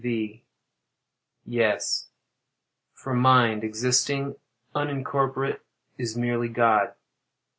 V. Yes; for mind, existing unincorporate, is merely God.